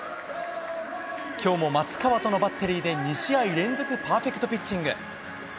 きょうも松川とのバッテリーで２試合連続パーフェクトピッチング。